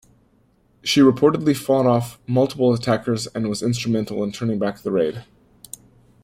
She reportedly fought off multiple attackers and was instrumental in turning back the raid.